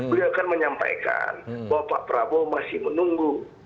beliau kan menyampaikan bahwa pak prabowo masih menunggu